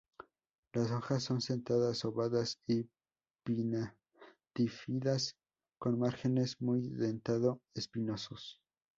Las hojas son sentadas, ovadas y pinnatífidas con márgenes muy dentado-espinosos.